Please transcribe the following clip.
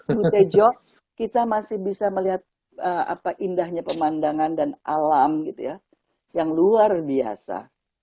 bu tejo kita masih bisa melihat indahnya pemandangan dan alam gitu ya yang luar biasa